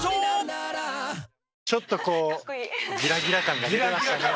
ちょっとこうギラギラ感が出てましたね。